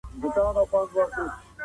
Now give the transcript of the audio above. په کورنۍ زده کړه کي مینه نه کمېږي.